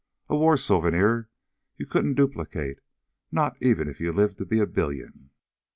A war souvenir you couldn't duplicate, not even if you lived to be a billion."